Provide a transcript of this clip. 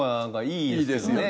いいですよね。